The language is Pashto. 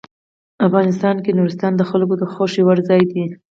افغانستان کې نورستان د خلکو د خوښې وړ ځای دی.